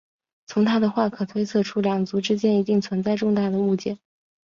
从她的话可推测出两族之间一定存在重大的误解。